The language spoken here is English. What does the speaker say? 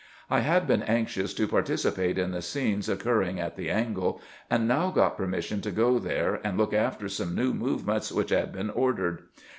I had been anxious to participate in the scenes oc curring at the " angle," and now got permission to go there and look after some new movements which had been ordered.